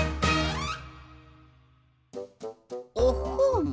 おっほん。